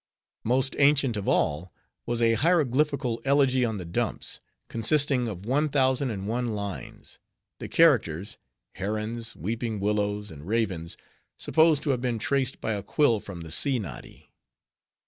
Most ancient of all, was a hieroglyphical Elegy on the Dumps, consisting of one thousand and one lines; the characters,—herons, weeping willows, and ravens, supposed to have been traced by a quill from the sea noddy.